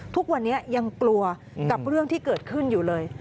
ทุกวันนี้ยังกลัวกับเรื่องที่เกิดขึ้นอยู่เลย